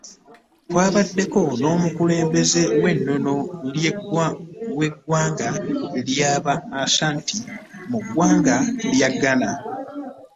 Kwabaddeko n'omukulembeze w'ennono ow'eggwanga lya ba Ashanti mu ggwanga lya Ghana